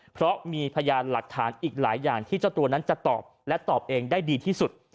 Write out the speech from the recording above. เพราะมีพยานหลักฐานอีกหลายอย่างที่เจ้าตัวนั้นจะตอบและตอบเองได้ดีที่สุด